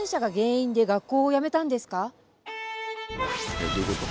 えっどういうこと？